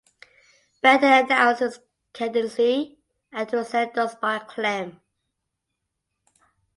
Bear then announced his candidacy and was endorsed by Clem.